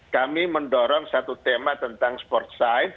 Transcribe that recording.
kami mendorong satu tema tentang sport side